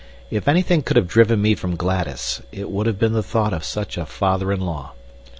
If anything could have driven me from Gladys, it would have been the thought of such a father in law.